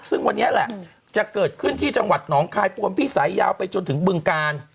ซึ่งวันนี้แหละจะเกิดขึ้นที่จังหวัดหนองคายปวนพิสัยยาวไปจนถึงบึงกาล